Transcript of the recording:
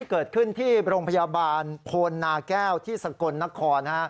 เกิดขึ้นที่โรงพยาบาลโพนนาแก้วที่สกลนคร